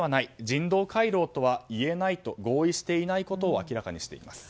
人道回廊とはいえないと合意していないことを明らかにしています。